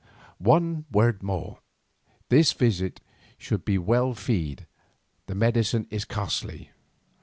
One word more. This visit should be well feed, the medicine is costly."